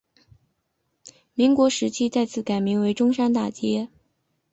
民国时期再次改名为中山大街。